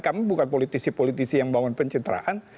kami bukan politisi politisi yang bangun pencitraan